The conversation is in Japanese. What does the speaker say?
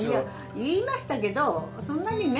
言いましたけどそんなにね。